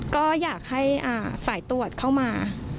ก็อยากให้สายตรวจเข้ามา